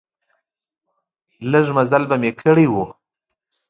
لږ مزل به مې کړی و.